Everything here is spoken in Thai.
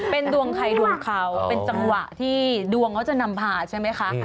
เป็นดวงใครดวงเขาเป็นจังหวะที่ดวงเขาจะนำพาใช่ไหมคะ